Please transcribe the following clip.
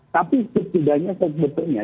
tapi setidaknya sebetulnya